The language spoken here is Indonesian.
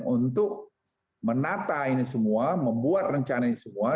untuk menata ini semua membuat rencana ini semua